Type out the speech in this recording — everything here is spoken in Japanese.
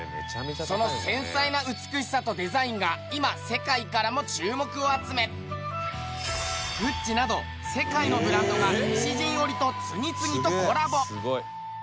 その繊細な美しさとデザインが今世界からも注目を集めＧＵＣＣＩなど世界のブランドが西陣織と次々とコラボ。